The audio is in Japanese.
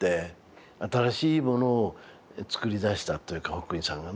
新しいものを作り出したというかホックニーさんがね。